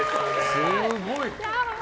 すごい。